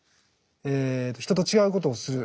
人と違うことをする。